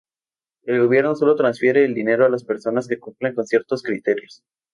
El gobierno sólo transfiere el dinero a las personas que cumplen con ciertos criterios.